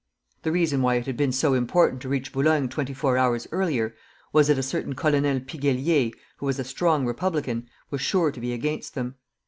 The reason why it had been so important to reach Boulogne twenty four hours earlier, was that a certain Colonel Piguellier, who was a strong republican, was sure to be against them.